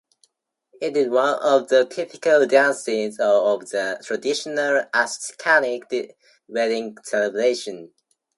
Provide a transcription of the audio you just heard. It is one of the typical dances of a traditional Ashkenazic wedding celebration.